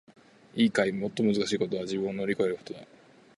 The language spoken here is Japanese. いいかい！最もむずかしいことは自分を乗り越えることだ！